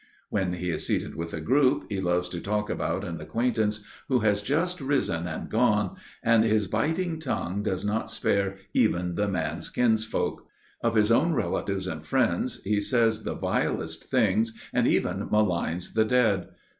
When he is seated with a group, he loves to talk about an acquaintance who has just risen and gone, and his biting tongue does not spare even the man's kinsfolk. Of his own relatives and friends, he says the vilest things and even maligns the dead.